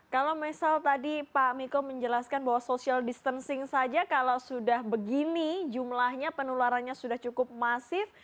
kalau misal tadi pak miko menjelaskan bahwa social distancing saja kalau sudah begini jumlahnya penularannya sudah cukup masif